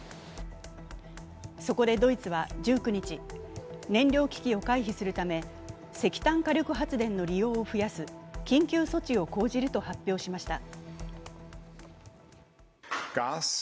そこでドイツは１９日、燃料危機を回避するため石炭火力発電の利用を増やす緊急措置を講じると発表しました。